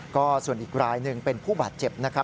ก็ส่วนอีกรายหนึ่งเป็นผู้บาดเจ็บนะครับ